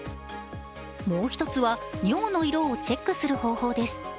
もう一つは尿の色をチェックする方法です。